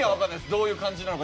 どういう感じなのか。